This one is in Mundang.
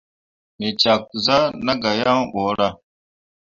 Me cak zah na gah yaŋ ɓorah.